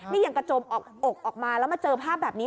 นี่ยังกระจมออกออกมาแล้วมาเจอภาพแบบนี้